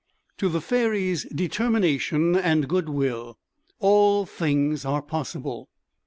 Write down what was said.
"To the fairies, Determination and Good Will, all things are possible."